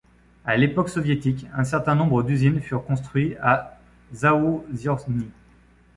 À l'époque soviétique, un certain nombre d'usines furent construites à Zaoziorny.